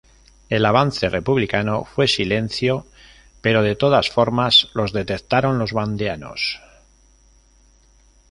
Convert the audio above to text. El avance republicano fue silencio, pero de todas formas los detectaron los vandeanos.